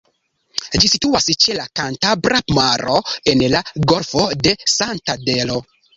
Ĝi situas ĉe la Kantabra Maro, en la Golfo de Santandero.